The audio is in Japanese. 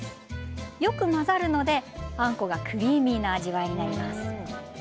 よく混ざるのであんこがクリーミーな味わいになります。